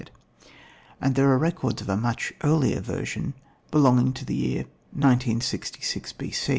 and there are records of a much earlier version, belonging to the year 1966 B.